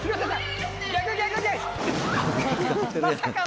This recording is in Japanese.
まさかの。